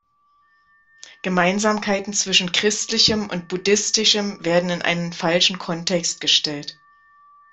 Gemeinsamkeiten zwischen Christlichem und Buddhistischem werden in einen falschen Kontext gestellt.